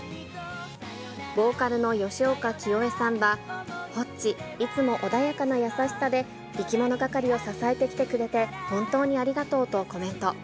ボーカルの吉岡聖恵さんは、ほっち、いつも穏やかな優しさで、いきものがかりを支えてきてくれて、本当にありがとうとコメント。